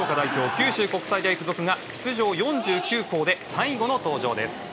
九州国際大付属が出場４９校で最後の登場です。